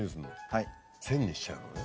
センにしちゃうのね。